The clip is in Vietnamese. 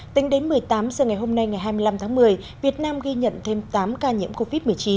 tính đến một mươi tám h ngày hôm nay ngày hai mươi năm tháng một mươi việt nam ghi nhận thêm tám ca nhiễm covid một mươi chín